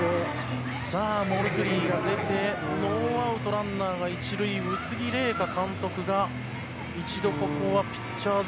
モルトゥリーが出てノーアウト、ランナーが１塁で宇津木麗華監督がピッチャーズ